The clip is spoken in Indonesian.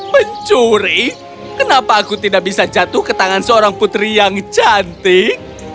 mencuri kenapa aku tidak bisa jatuh ke tangan seorang putri yang cantik